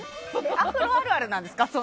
アフロあるあるなんですか？